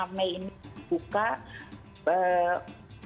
karena baru dibuka jadi kan ada road map nya tadi ya